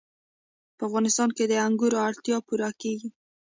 په افغانستان کې د انګورو اړتیاوې پوره کېږي.